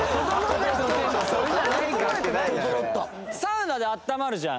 サウナであったまるじゃん。